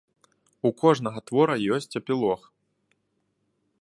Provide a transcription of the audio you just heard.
У кожнага твора ёсць эпілог.